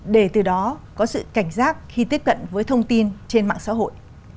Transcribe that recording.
để từ đó có sự cảnh giác khi tiếp cận với thông tin trên mạng xã hội